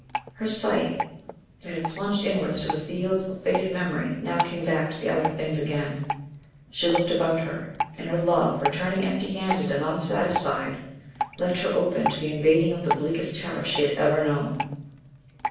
Her sight that had plunged inwards to the fields of faded memory now came back to outer things again. She looked about her, and her love, returning empty handed and unsatisfied, left her open to the invading of the bleakest terror she had ever known.